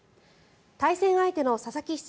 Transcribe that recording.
対戦相手の佐々木大地